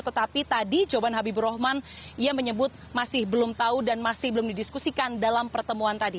tetapi tadi jawaban habibur rahman ia menyebut masih belum tahu dan masih belum didiskusikan dalam pertemuan tadi